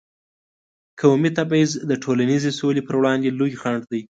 قومي تبعیض د ټولنیزې سولې پر وړاندې لوی خنډ دی.